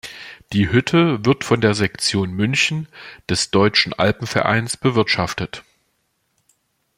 Die Hütte wird von der Sektion München des Deutschen Alpenvereins bewirtschaftet.